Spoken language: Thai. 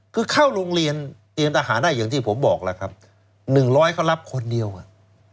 คือเข้าโรงเรียนเตรียมทหารได้อย่างที่ผมบอกแล้วครับ๑๐๐เขารับคนเดียวอ่ะ